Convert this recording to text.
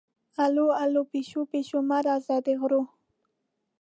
اللو للو، پیشو-پیشو مه راځه د غرو